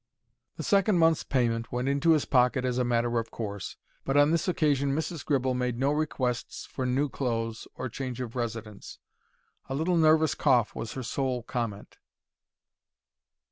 The second month's payment went into his pocket as a matter of course, but on this occasion Mrs. Gribble made no requests for new clothes or change of residence. A little nervous cough was her sole comment.